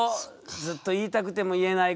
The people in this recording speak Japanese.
ずっと言いたくても言えない５年。